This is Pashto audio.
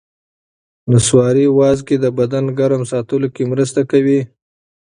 نسواري وازګې د بدن ګرم ساتلو کې مرسته کوي.